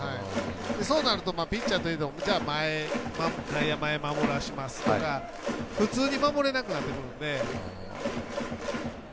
そうなるとピッチャーはじゃあ、外野を前に守らせますとか普通に守れなくなってくるので。